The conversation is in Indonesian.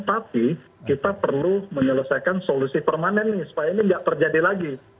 tapi kita perlu menyelesaikan solusi permanen ini supaya ini nggak terjadi lagi